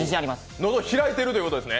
喉開いているということですね。